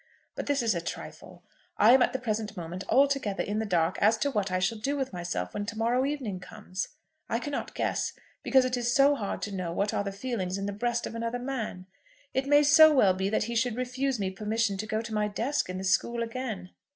But this is a trifle. I am at the present moment altogether in the dark as to what I shall do with myself when to morrow evening comes. I cannot guess, because it is so hard to know what are the feelings in the breast of another man. It may so well be that he should refuse me permission to go to my desk in the school again."